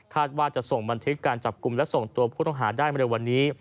ว่าจะส่งบันทึกการจับกลุ่มและส่งตัวผู้ต้องหาได้มาเร็ววันนี้